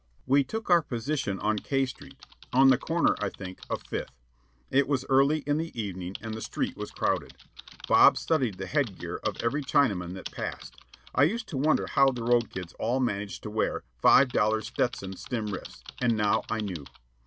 We took our position on K Street, on the corner, I think, of Fifth. It was early in the evening and the street was crowded. Bob studied the head gear of every Chinaman that passed. I used to wonder how the road kids all managed to wear "five dollar Stetson stiff rims," and now I knew.